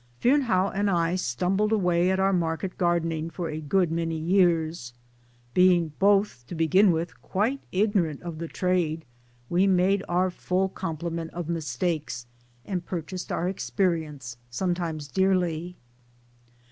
Fearnehough and I stumbled away at our market gardening for a good many years. Being both to begin with quite ignorant of the trade we made our full complement of mistakes and purchased our ex perience sometimes dearly.